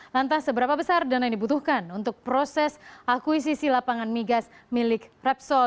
lantas seberapa besar dana yang dibutuhkan untuk proses akuisisi lapangan migas milik repsol